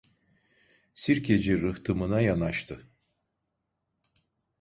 Sirkeci rıhtımına yanaştı.